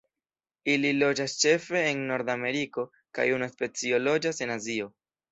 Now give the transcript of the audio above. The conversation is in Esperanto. Ili loĝas ĉefe en Nordameriko kaj unu specio loĝas en Azio.